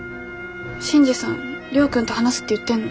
新次さん亮君と話すって言ってんの？